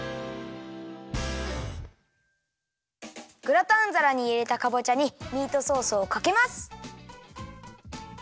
グラタンざらにいれたかぼちゃにミートソースをかけます。